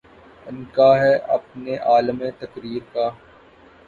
عنقا ہے اپنے عالَمِ تقریر کا